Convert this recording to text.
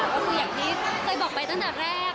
ก็คืออย่างที่เคยบอกไปตั้งแต่แรก